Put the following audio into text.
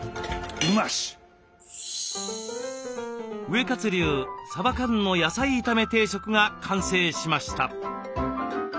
ウエカツ流さば缶の野菜炒め定食が完成しました。